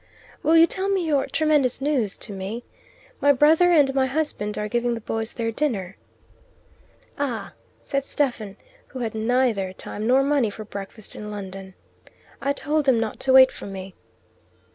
"Will you tell your 'tremendous news' to me? My brother and my husband are giving the boys their dinner." "Ah!" said Stephen, who had had neither time nor money for breakfast in London. "I told them not to wait for me."